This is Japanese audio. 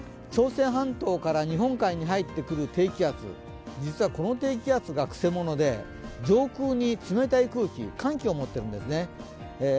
朝鮮半島から日本海に入ってくる低気圧、実はこの低気圧がくせ者で上空に冷たい空気、寒気を持ってるんですね。